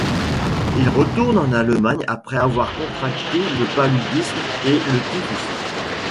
Il retourne en Allemagne après avoir contracté le paludisme et le typhus.